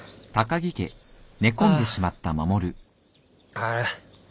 あれ？